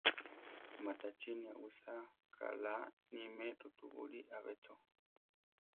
Matachíni awisáa kaʼlá níme rutubúli ‘a be cho.